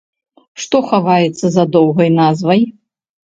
Што хаваецца за доўгай назвай?